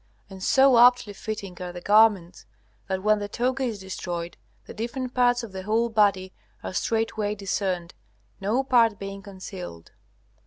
And so aptly fitting are the garments, that when the toga is destroyed, the different parts of the whole body are straightway discerned, no part being concealed.